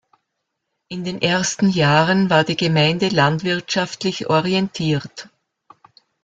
In den ersten Jahren war die Gemeinde landwirtschaftlich orientiert.